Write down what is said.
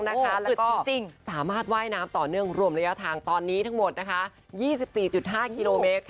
คือจริงสามารถว่ายน้ำต่อเนื่องรวมระยะทางตอนนี้ทั้งหมด๒๔๕กิโลเมตร